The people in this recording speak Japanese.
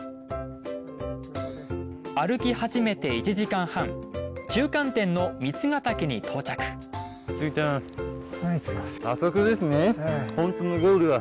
歩き始めて１時間半中間点の三ヶ嶽に到着着いた。